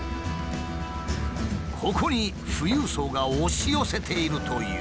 ここに富裕層が押し寄せているという。